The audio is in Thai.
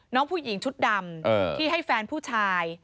น้องผู้หญิงชุดดำ